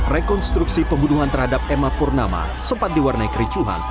rekonstruksi pembunuhan terhadap emma purnama sempat diwarnai kericuhan